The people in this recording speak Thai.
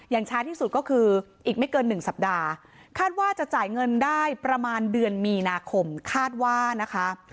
ช้าที่สุดก็คืออีกไม่เกิน๑สัปดาห์คาดว่าจะจ่ายเงินได้ประมาณเดือนมีนาคมคาดว่านะคะ